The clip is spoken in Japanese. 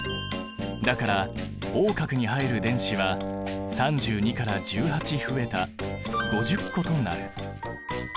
だからＯ殻に入る電子は３２から１８増えた５０個となる。